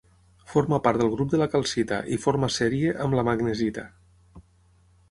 Forma part del grup de la calcita i forma sèrie amb la magnesita.